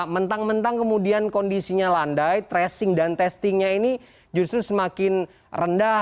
mentang mentang kemudian kondisinya landai tracing dan testingnya ini justru semakin rendah